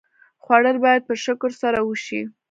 خوړل باید په شکر سره وشي